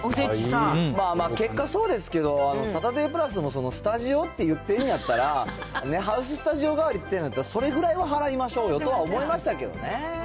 まあまあ、結果そうですけど、サタデープラスもスタジオって言ってるんやったら、ハウススタジオ代わりって言ってるんやったら、それぐらいは払いましょうよとは思いましたけどね。